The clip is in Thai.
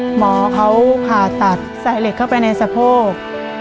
หมอเขาผ่าตัดใส่เหล็กเข้าไปในสะโพก